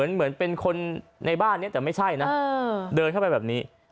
เหมือนเป็นคนในบ้านนี้แต่ไม่ใช่นะเดินเข้าไปแบบนี้